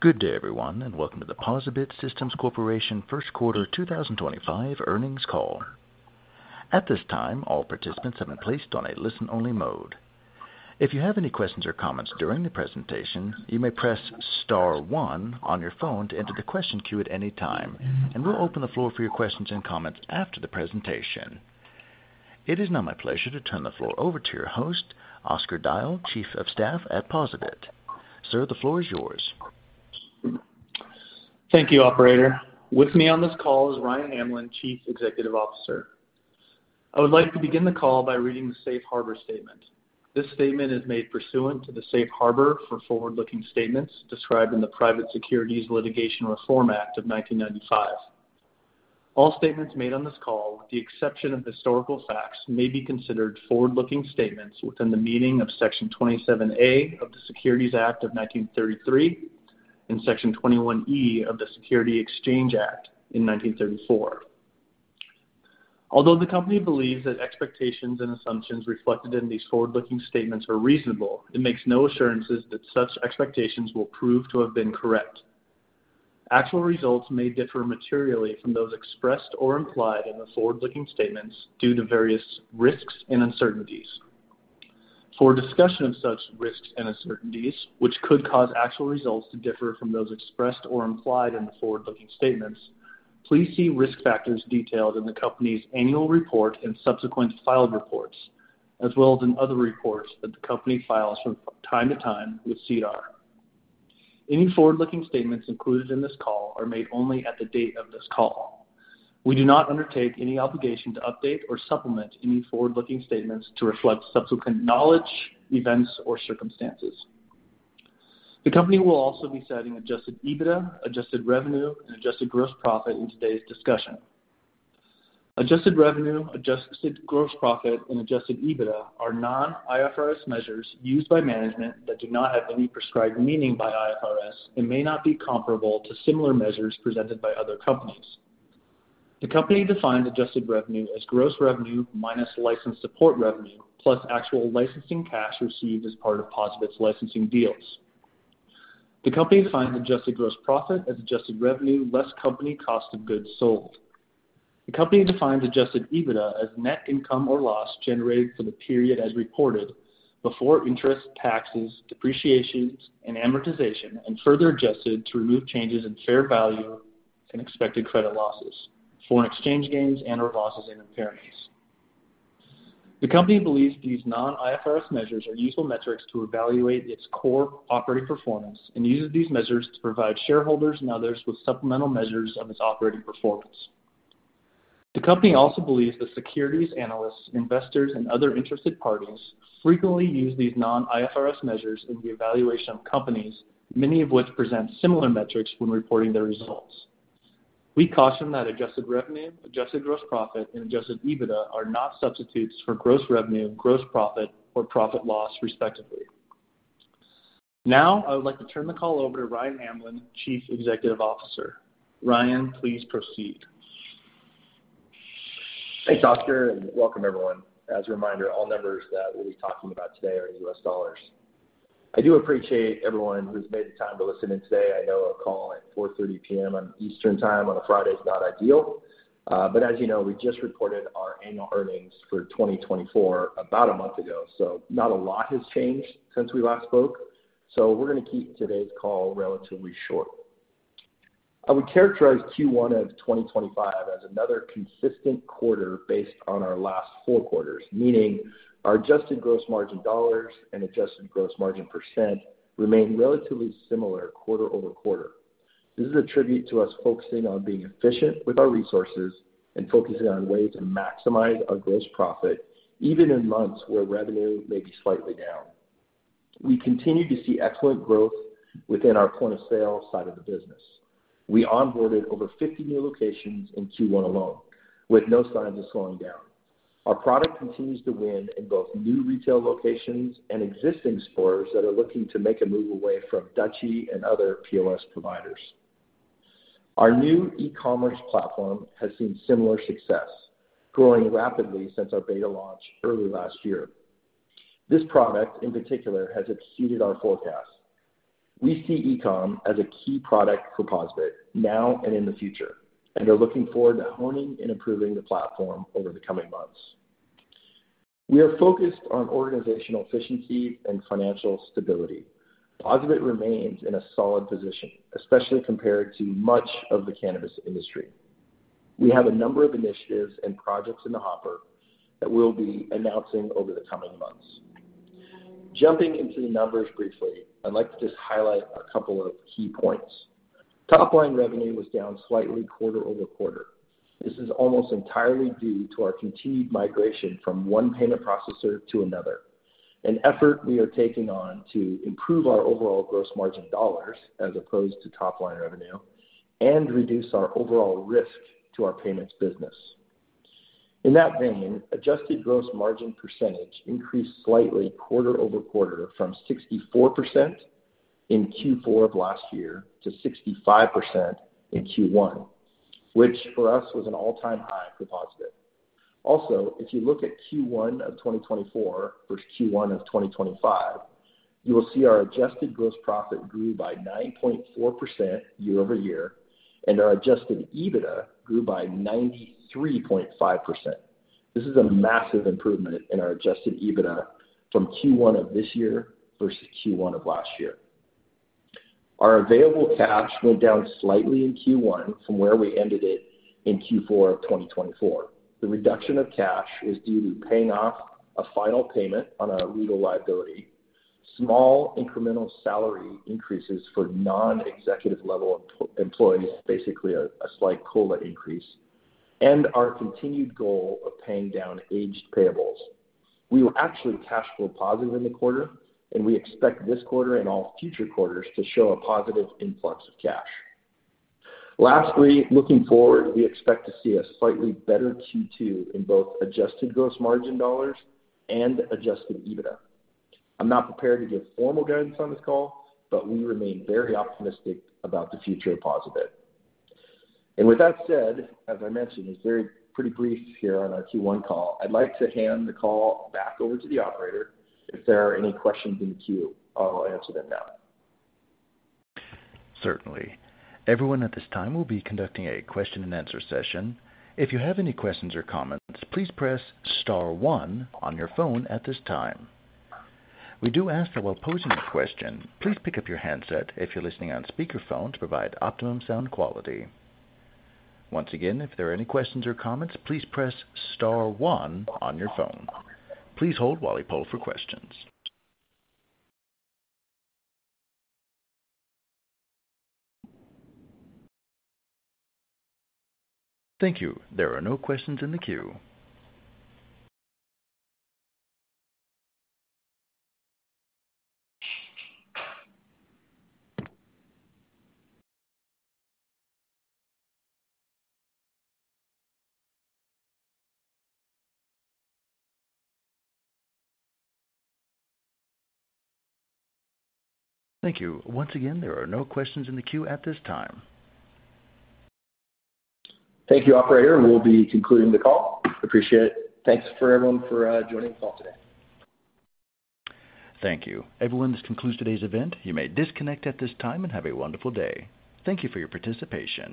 Good day, everyone, and welcome to the POSaBIT Systems Corporation first quarter 2025 earnings call. At this time, all participants have been placed on a listen-only mode. If you have any questions or comments during the presentation, you may press star one on your phone to enter the question queue at any time, and we will open the floor for your questions and comments after the presentation. It is now my pleasure to turn the floor over to your host, Oscar Dahl, Chief of Staff at POSaBIT. Sir, the floor is yours. Thank you, Operator. With me on this call is Ryan Hamlin, Chief Executive Officer. I would like to begin the call by reading Safe Harbor Statement. This statement is made pursuant to the Safe Harbor for forward-looking statements described in the Private Securities Litigation Reform Act of 1995. All statements made on this call, with the exception of historical facts, may be considered forward-looking statements within the meaning of Section 27A of the Securities Act of 1933 and Section 21E of the Securities Exchange Act in 1934. Although the company believes that expectations and assumptions reflected in these forward-looking statements are reasonable, it makes no assurances that such expectations will prove to have been correct. Actual results may differ materially from those expressed or implied in the forward-looking statements due to various risks and uncertainties. For discussion of such risks and uncertainties, which could cause actual results to differ from those expressed or implied in the forward-looking statements, please see risk factors detailed in the company's annual report and subsequent filed reports, as well as in other reports that the company files from time to time with SEDAR. Any forward-looking statements included in this call are made only at the date of this call. We do not undertake any obligation to update or supplement any forward-looking statements to reflect subsequent knowledge, events, or circumstances. The company will also be citing adjusted EBITDA, adjusted revenue, and adjusted gross profit in today's discussion. Adjusted revenue, adjusted gross profit, and adjusted EBITDA are non-IFRS measures used by management that do not have any prescribed meaning by IFRS and may not be comparable to similar measures presented by other companies. The company defines adjusted revenue as gross revenue minus license support revenue plus actual licensing cash received as part of POSaBIT's licensing deals. The company defines adjusted gross profit as adjusted revenue less company cost of goods sold. The company defines adjusted EBITDA as net income or loss generated for the period as reported before interest, taxes, depreciation, and amortization, and further adjusted to remove changes in fair value and expected credit losses for exchange gains and/or losses and impairments. The company believes these non-IFRS measures are useful metrics to evaluate its core operating performance and uses these measures to provide shareholders and others with supplemental measures of its operating performance. The company also believes that securities analysts, investors, and other interested parties frequently use these non-IFRS measures in the evaluation of companies, many of which present similar metrics when reporting their results. We caution that adjusted revenue, adjusted gross profit, and adjusted EBITDA are not substitutes for gross revenue, gross profit, or profit loss, respectively. Now, I would like to turn the call over to Ryan Hamlin, Chief Executive Officer. Ryan, please proceed. Thanks, Oscar, and welcome, everyone. As a reminder, all numbers that we'll be talking about today are in US dollars. I do appreciate everyone who's made the time to listen in today. I know a call at 4:30 P.M. Eastern Time on a Friday is not ideal, but as you know, we just reported our annual earnings for 2024 about a month ago, so not a lot has changed since we last spoke. We're going to keep today's call relatively short. I would characterize Q1 of 2025 as another consistent quarter based on our last four quarters, meaning our adjusted gross margin dollars and adjusted gross margin percent remain relatively similar quarter over quarter. This is a tribute to us focusing on being efficient with our resources and focusing on ways to maximize our gross profit even in months where revenue may be slightly down. We continue to see excellent growth within our point of sale side of the business. We onboarded over 50 new locations in Q1 alone, with no signs of slowing down. Our product continues to win in both new retail locations and existing stores that are looking to make a move away from Dutchie and other POS providers. Our new e-commerce platform has seen similar success, growing rapidly since our beta launch early last year. This product, in particular, has exceeded our forecast. We see e-com as a key product for POSaBIT now and in the future and are looking forward to honing and improving the platform over the coming months. We are focused on organizational efficiencies and financial stability. POSaBIT remains in a solid position, especially compared to much of the cannabis industry. We have a number of initiatives and projects in the hopper that we'll be announcing over the coming months. Jumping into the numbers briefly, I'd like to just highlight a couple of key points. Top-line revenue was down slightly quarter-over-quarter. This is almost entirely due to our continued migration from one payment processor to another, an effort we are taking on to improve our overall gross margin dollars as opposed to top-line revenue and reduce our overall risk to our payments business. In that vein, adjusted gross margin percentage increased slightly quarter-over-quarter from 64% in Q4 of last year to 65% in Q1, which for us was an all-time high for POSaBIT. Also, if you look at Q1 of 2024 versus Q1 of 2025, you will see our adjusted gross profit grew by 9.4% year-over-year, and our adjusted EBITDA grew by 93.5%. This is a massive improvement in our adjusted EBITDA from Q1 of this year versus Q1 of last year. Our available cash went down slightly in Q1 from where we ended it in Q4 of 2024. The reduction of cash is due to paying off a final payment on a legal liability, small incremental salary increases for non-executive-level employees, basically a slight COLA increase, and our continued goal of paying down aged payables. We were actually cash flow positive in the quarter, and we expect this quarter and all future quarters to show a positive influx of cash. Lastly, looking forward, we expect to see a slightly better Q2 in both adjusted gross margin dollars and adjusted EBITDA. I'm not prepared to give formal guidance on this call, but we remain very optimistic about the future of POSaBIT. With that said, as I mentioned, it's very pretty brief here on our Q1 call. I'd like to hand the call back over to the operator. If there are any questions in the queue, I'll answer them now. Certainly. Everyone at this time will be conducting a question-and-answer session. If you have any questions or comments, please press star one on your phone at this time. We do ask that while posing a question, please pick up your handset if you're listening on speakerphone to provide optimum sound quality. Once again, if there are any questions or comments, please press star one on your phone. Please hold while we poll for questions. Thank you. There are no questions in the queue. Thank you. Once again, there are no questions in the queue at this time. Thank you, Operator. We'll be concluding the call. Appreciate it. Thanks for everyone for joining the call today. Thank you. Everyone, this concludes today's event. You may disconnect at this time and have a wonderful day. Thank you for your participation.